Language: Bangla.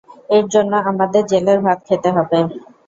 এর জন্য আমাদের জেলের ভাত খেতে হবে।